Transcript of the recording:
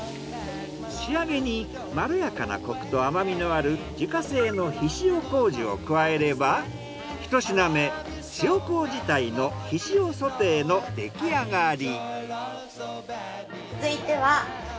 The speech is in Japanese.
仕上げにまろやかなコクと甘みのある自家製の醤麹を加えればひと品目塩麹タイの醤ソテーのできあがり。